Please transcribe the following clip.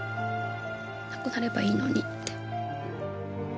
なくなればいいのにって。